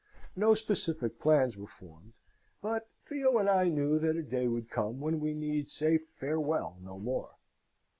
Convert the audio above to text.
No specific plans were formed, but Theo and I knew that a day would come when we need say Farewell no more.